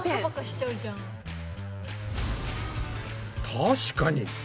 確かに。